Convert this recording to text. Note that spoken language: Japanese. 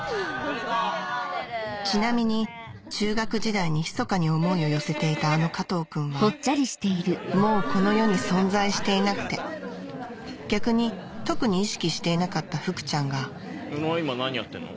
ちなみに中学時代にひそかに思いを寄せていたあの加藤君はもうこの世に存在していなくて逆に特に意識していなかった福ちゃんが宇野は今何やってんの？